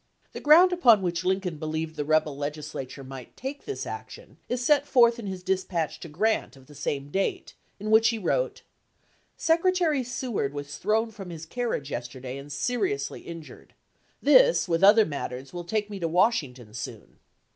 The ground upon which Lincoln believed the rebel Legislature might take this action is set forth in his dispatch to Grant of the same date, in which he wrote : Secretary Seward was thrown from his carriage yes terday and seriously injured. This with other matters will take me to Washington soon.